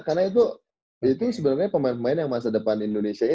karena itu sebenarnya pemain pemain yang masa depan indonesia ya